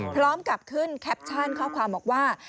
พร้อมกับขึ้นแคปชั่นข้อความบอกว่า